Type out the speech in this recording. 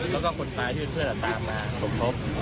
และก็คนตายที่เพื่อนหัวตามไปพบพบ